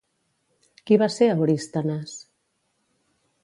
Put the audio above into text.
Qui va ser Eurístenes?